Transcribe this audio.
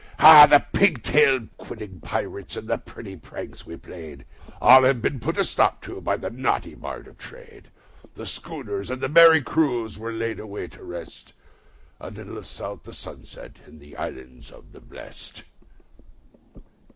Ah! the pig tailed, quidding pirates and the pretty pranks we played, All have since been put a stop to by the naughty Board of Trade; The schooners and the merry crews are laid away to rest, A little south the sunset in the Islands of the Blest.